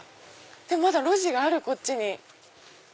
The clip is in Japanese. でもまだ路地があるこっちに。